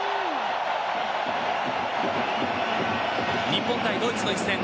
日本対ドイツの一戦。